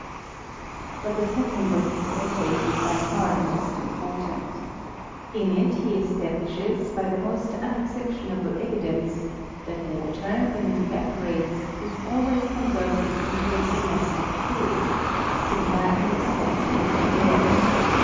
But the second of these essays h bv far the most important. In it he establishes, by the most un exceptionable evidence, that water, when it eva porates, is always converted into an elastic fluid, similar in its propcrtie^j to air.